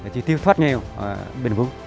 chỉ tiêu thoát nghèo bền vùng